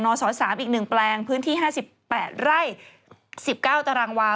ศ๓อีก๑แปลงพื้นที่๕๘ไร่๑๙ตารางวา